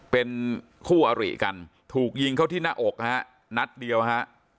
เป็นคู่อริกันถูกยิงเข้าที่หน้าอกฮะนัดเดียวฮะ